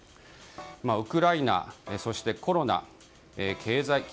ウクライナ、そしてコロナ経済危機